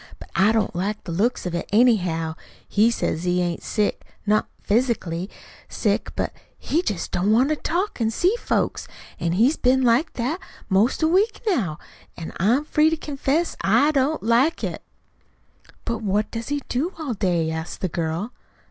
"But I don't like the looks of it, anyhow. He says he ain't sick not physicianly sick; but he jest don't want to talk an' see folks. An' he's been like that 'most a week now. An' I'm free to confess I don't like it." "But what does he do all day?" asked the girl.